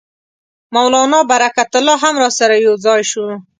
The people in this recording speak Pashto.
مولنا برکت الله هم راسره یو ځای شو.